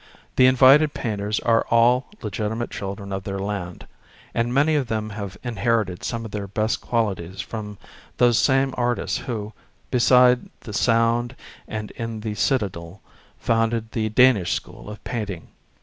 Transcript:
The invited painters are all legitimate children of their land, and many of them have inherited some of their best qualities from those same art ists who, beside the Sound and in the Citadel, founded the Danish school of painting.